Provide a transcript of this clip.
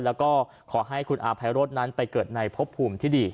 แล้วก็ขอให้คุณอาภัยโรธนั้นไปเกิดในพบภูมิที่ดี